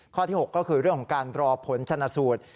ข้อที่๖ก็คือเรื่องของการรอผลชนะสูตร